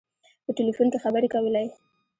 په ټلفون کې خبري کولې.